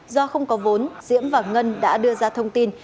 do không có vốn diễm và ngân đã đưa ra thông tin